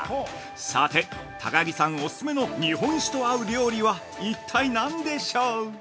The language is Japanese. さて、高木さんお勧めの日本酒と合う料理は一体、何でしょう？